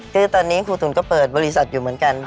คือตอนนี้ครูตุ๋นก็เปิดบริษัทอยู่เหมือนกัน